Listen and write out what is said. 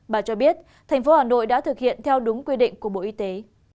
bà cho biết thành phố hà nội đã thực hiện theo đúng quy định của bộ y tế